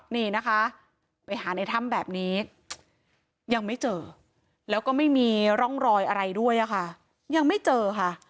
นี่นะคะไปหาในถ้ำแบบนี้ยังไม่เจอแล้วก็ไม่มีร่องรอยอะไรด้วยค่ะยังไม่เจอค่ะ